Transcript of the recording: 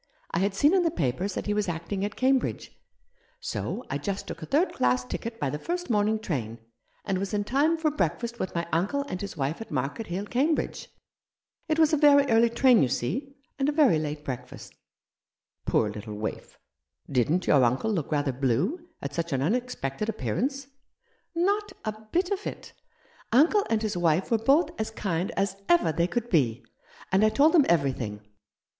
I had seen in the papers that he was acting at Cambridge, so I just took a third class ticket by the first morning train, and was in time for breakfast with my uncle and his wife at Market Hill, Cambridge. It was a very early train, you see, and a very late breakfast." 8 V) »" How should I greet Thee t " Poor little waif ! Didn't your uncle look rather blue at such an unexpected appearance ?"" Not a bit of it ! Uncle and his wife were both as kind as ever they could be ; and I told them everything.